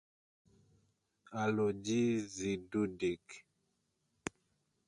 Alojzy Dudek.